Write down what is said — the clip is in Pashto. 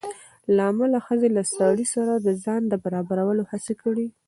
له امله ښځې له سړي سره د ځان د برابرولو هڅه کړې